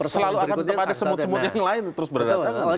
selalu akan tetap ada semut semut yang lain terus berdatangan